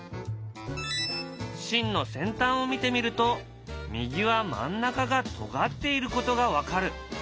芯の先端を見てみると右は真ん中がとがっていることが分かる。